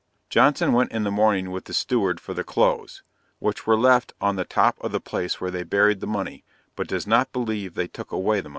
Johnson went in the morning with the steward for the clothes, which were left on the top of the place where they buried the money, but does not believe they took away the money.